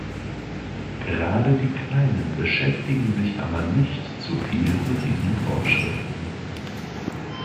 Gerade die Kleinen beschäftigen sich aber nicht zuviel mit diesen Vorschriften.